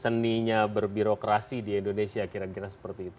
seninya berbirokrasi di indonesia kira kira seperti itu